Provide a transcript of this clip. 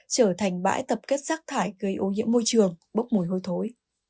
trở thành bãi tập kết rác thải gây ô nhiễm môi trường bốc mùi hôi thối